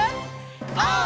オー！